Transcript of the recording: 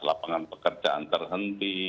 lapangan pekerjaan terhenti